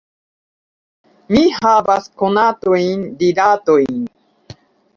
Mi havas konatojn, rilatojn.